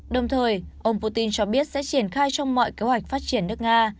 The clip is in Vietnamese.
đồng thời ông putin cho biết sẽ triển khai trong mọi kế hoạch phát triển nước nga